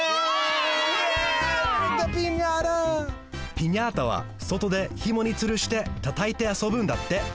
ピニャータはそとでひもにつるしてたたいてあそぶんだって。